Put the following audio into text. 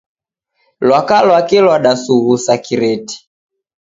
Lwaka lwake Iw'adasughusa kireti